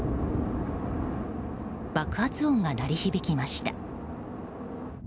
爆発音が鳴り響きました。